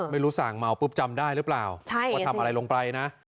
ไม่รู้สั่งเมาปุ๊บจำได้หรือเปล่าว่าทำอะไรลงไปนะ